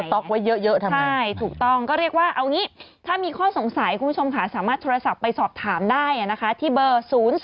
ต๊อกไว้เยอะเท่านั้นใช่ถูกต้องก็เรียกว่าเอางี้ถ้ามีข้อสงสัยคุณผู้ชมค่ะสามารถโทรศัพท์ไปสอบถามได้นะคะที่เบอร์๐๔